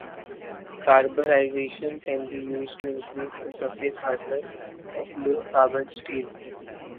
Carburization can be used to increase the surface hardness of low carbon steel.